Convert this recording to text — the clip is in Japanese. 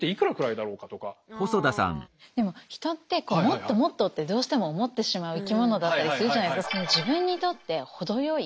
でも人ってこうもっともっとってどうしても思ってしまう生き物だったりするじゃないですか。